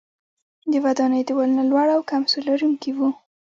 د ودانیو دیوالونه لوړ او کم سور لرونکي وو.